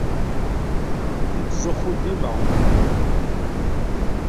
Yettzuxxu dima.